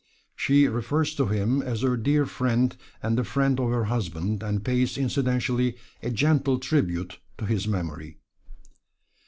She refers to him as her dear friend and the friend of her husband, and pays incidentally a gentle tribute to his memory.